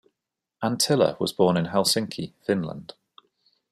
Anttila was born in Helsinki, Finland.